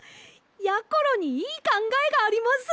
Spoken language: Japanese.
やころにいいかんがえがあります！